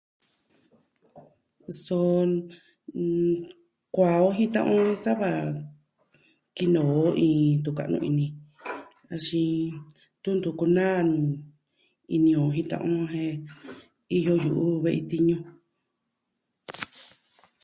So kuaa on jin ta'an on sa va kinoo iin tu'un ka'nu ini axin tun ntu kunaa ini on jin ta'an on jen iyo yu'u ve'i tiñu.